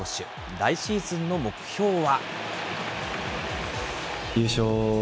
来シーズンの目標は。